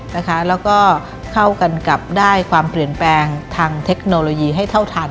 แล้วก็เข้ากันกับได้ความเปลี่ยนแปลงทางเทคโนโลยีให้เท่าทัน